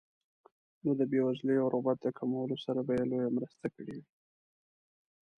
نو د بېوزلۍ او غربت د کمولو سره به یې لویه مرسته کړې وي.